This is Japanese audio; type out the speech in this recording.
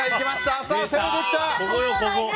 さあ、攻めてきた！